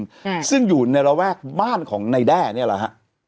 ใช่ซึ่งอยู่ในระแวกบ้านของในแด้เนี่ยเหรอฮะ